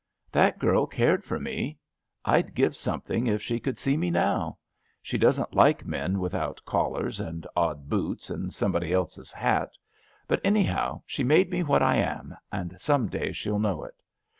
That girl cared for me. I'd give something if she could see me now. She doesn't like men without collars and odd boots and somebody else's hat; but anyhow she made me what I am, and some day she'll know it.